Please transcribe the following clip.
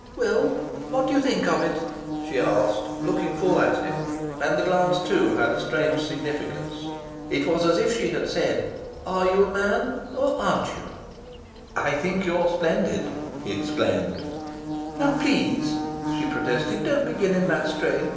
"Well, what do you think of it?" she asked, looking full at him, and the glance too had a strange significance. It was as if she had said: "Are you a man, or aren't you?" "I think you're splendid," he exclaimed. "Now please!" she protested. "Don't begin in that strain.